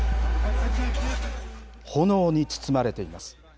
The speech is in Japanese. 炎に包まれています。